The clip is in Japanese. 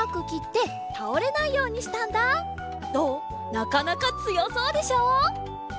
なかなかつよそうでしょ？